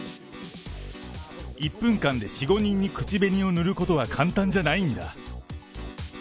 １分間で４、５人に口紅を塗ることは簡単じゃないんだ。